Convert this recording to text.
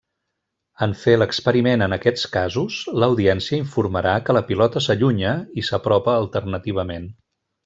En fer l'experiment en aquests casos, l'audiència informarà que la pilota s'allunya i s'apropa alternativament.